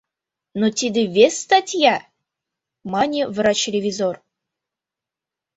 Но тиде вес статья! — мане врач-ревизор.